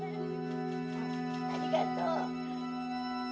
ありがとう。